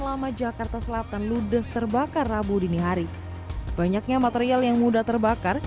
lama jakarta selatan ludes terbakar rabu dini hari banyaknya material yang mudah terbakar